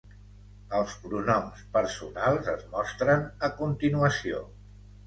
Els pronoms personals es mostren a continuació.